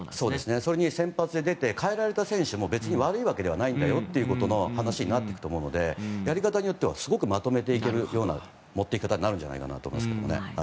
それに先発で出て代えられた選手も悪いわけではないという話になると思うのでやり方によってはまとめていけるような持っていき方になるのではと思いますけどね。